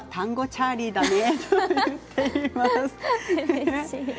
うれしい。